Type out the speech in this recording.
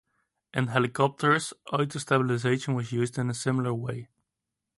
In helicopters, auto-stabilization was used in a similar way.